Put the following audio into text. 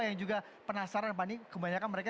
yang juga penasaran fani kebanyakan mereka